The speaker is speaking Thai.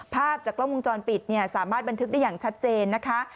ภาพจากกล้องวงจรปิดเนี่ยสามารถบันทึกได้อย่างชัดเจนนะคะ